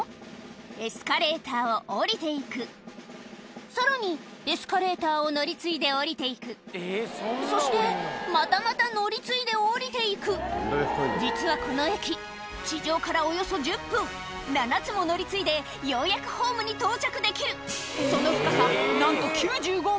エスカレーターを下りて行くさらにエスカレーターを乗り継いで下りて行くそしてまたまた乗り継いで下りて行く実はこの駅地上からおよそ１０分７つも乗り継いでようやくホームに到着できるその深さなんと